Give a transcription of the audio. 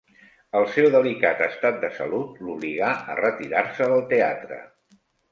El seu delicat estat de salut l'obligà a retirar-se del teatre.